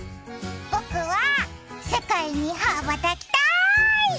僕は、世界に羽ばたきたい！